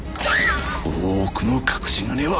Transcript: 大奥の隠し金はある！